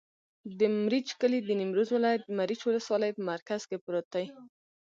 د مريچ کلی د نیمروز ولایت، مريچ ولسوالي په مرکز کې پروت دی.